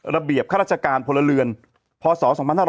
ระเบียบข้าราชการพลเรือนพศ๒๕๓๕